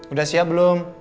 udah siap belum